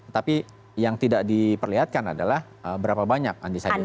tapi yang tidak diperlihatkan adalah berapa banyak undecided